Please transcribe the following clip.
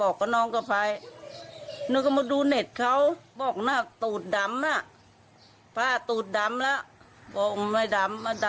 เขาก็ให้มาสำรวจไฟฟ้าเราก็รีดไป